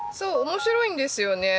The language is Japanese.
面白いんですよね。